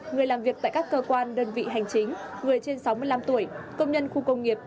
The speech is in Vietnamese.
người làm việc tại các cơ quan đơn vị hành chính người trên sáu mươi năm tuổi công nhân khu công nghiệp